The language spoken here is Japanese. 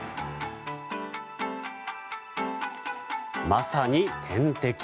まさに天敵。